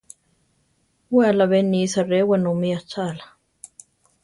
We alábe nisa re wenómi achála.